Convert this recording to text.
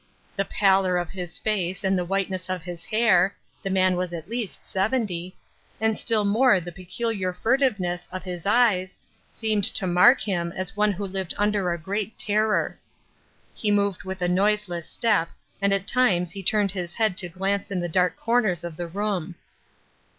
The pallor of his face and the whiteness of his hair (the man was at least seventy), and still more the peculiar furtiveness of his eyes, seemed to mark him as one who lived under a great terror. He moved with a noiseless step and at times he turned his head to glance in the dark corners of the room.